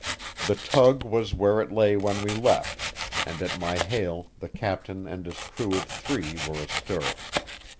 The tug was where it lay when we left, and at my hail the captain and his crew of three were astir.